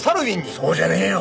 そうじゃねえよ！